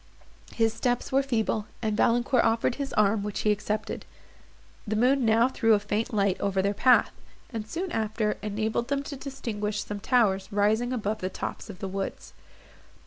His steps were feeble, and Valancourt offered him his arm, which he accepted. The moon now threw a faint light over their path, and, soon after, enabled them to distinguish some towers rising above the tops of the woods.